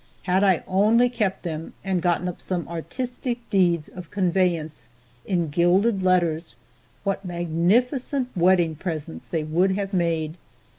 Had I only kept them, and gotten up some artistic deeds of conveyance, in gilded letters, what magnificent wedding presents they would have made.